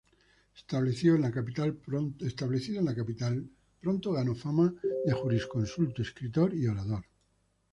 Establecido en la capital, pronto ganó fama de de jurisconsulto, escritor y orador.